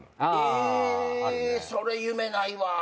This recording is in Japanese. えそれ夢ないわぁ。